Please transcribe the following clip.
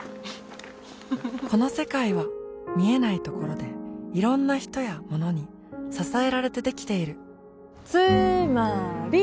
この世界は見えないところでいろんな人やものに支えられてできているつーまーり！